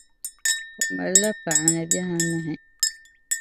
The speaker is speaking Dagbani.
O mali la paɣa ni bihi anahi.